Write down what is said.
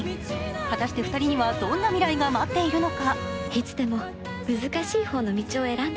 果たして２人にはどんな未来が待っているのか。